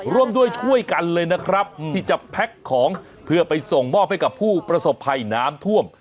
ร่วมด้วยช่วยกันเลยนะครับที่จะแพ็คของเพื่อไปส่งมอบให้กับผู้ประสบภัยน้ำท่วม